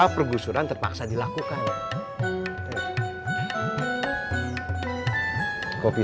push up tiga puluh kali